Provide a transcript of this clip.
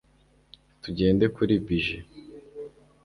Tugenda kuri bije